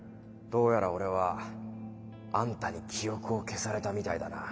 どうやら俺はあんたに記憶を消されたみたいだな。